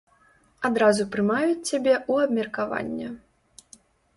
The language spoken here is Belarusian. Адразу прымаюць цябе ў абмеркаванне.